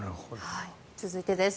続いてです。